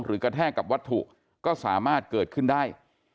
กระแทกกับวัตถุก็สามารถเกิดขึ้นได้